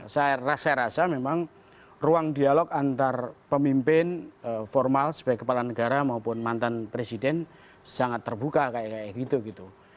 saya rasa memang ruang dialog antar pemimpin formal sebagai kepala negara maupun mantan presiden sangat terbuka kayak gitu gitu